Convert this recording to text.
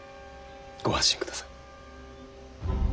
ご安心ください。